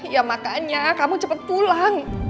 ya makanya kamu cepet pulang